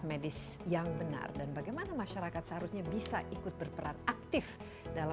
medis yang benar dan bagaimana masyarakat seharusnya bisa ikut berperan aktif dalam